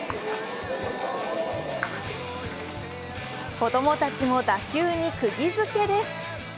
子供たちも打球にくぎ付けです。